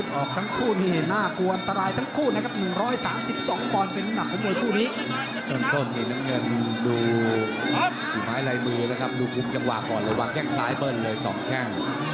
ดูคลุมจังหวะก่อนระวังแกล้งซ้ายเปิ้ลเลย๒แค่ง